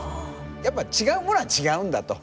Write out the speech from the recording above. やっぱ違うものは違うんだと。